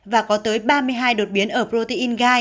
và có tới ba mươi hai đột biến ở protein gai